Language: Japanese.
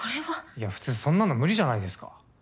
いや普通そんなの無理じゃないですか。